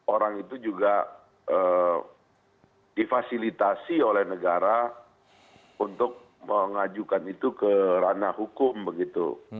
orang itu juga difasilitasi oleh negara untuk mengajukan itu ke ranah hukum begitu